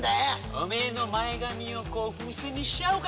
おめぇの前髪を風船にしちゃおうか？